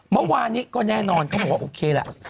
เมื่อวานนี้ก็แน่นอนเขาบอกว่าโอเคแหละ